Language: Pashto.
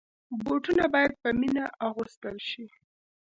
بوټونه باید په مینه اغوستل شي.